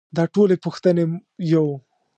دا ټولې پوښتنې يو.